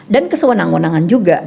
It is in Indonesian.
dan kesewenangan juga